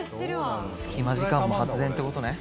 隙間時間も発電って事ね。